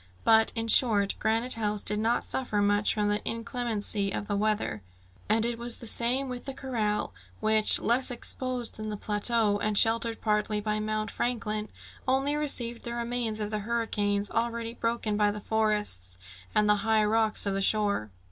But, in short, Granite House did not suffer much from the inclemency of the weather, and it was the same with the corral, which, less exposed than the plateau, and sheltered partly by Mount Franklin, only received the remains of the hurricanes, already broken by the forests and the high rocks of the shore.